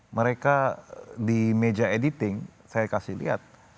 mereka di meja editing saya kasih lihat